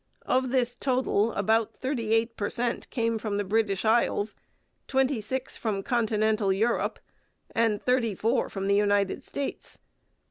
Of this total about thirty eight per cent came from the British Isles, twenty six from Continental Europe, and thirty four from the United States.